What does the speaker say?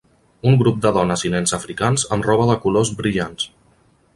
Un grup de dones i nens africans amb roba de colors brillants.